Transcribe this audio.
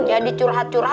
jadi curhat curhatnya ya kan